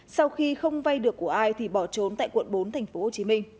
sau khi không vay được của ai thì bỏ trốn tại quận bốn tp hcm